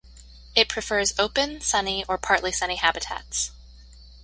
It prefers open, sunny or partly sunny habitats.